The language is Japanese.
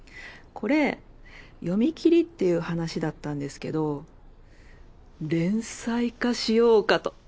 これ読み切りっていう話だったんですけど連載化しようかと。